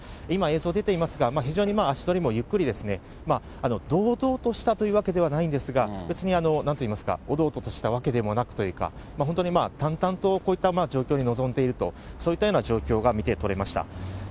今、映像出ていますが、非常に足取りもゆっくりですね、堂々としたというわけではないんですが、別になんと言いますか、おどおどとしたわけでもなくというか、本当に淡々とこういった状況に臨んでいるという、そういったような状況が見て取れました。